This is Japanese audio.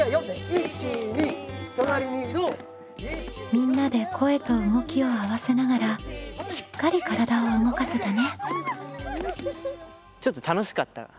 みんなで声と動きを合わせながらしっかり体を動かせたね。